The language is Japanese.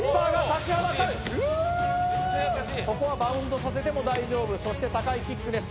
めっちゃ優しいここはバウンドさせても大丈夫そして高いキックです